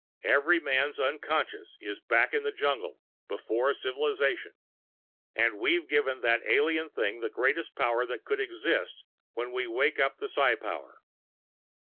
Every man's unconsciousness is back in the jungle, before civilization and we've given that alien thing the greatest power that could exist when we wake up the psi power."